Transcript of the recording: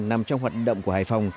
nằm trong hoạt động của hải phòng